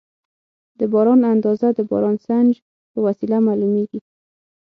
د باران اندازه د بارانسنج په وسیله معلومېږي.